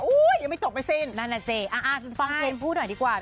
อุ๊ยยังไม่จบไปซินนะน่ะเจ๊ฟังเคนฟูด่วยดีกว่า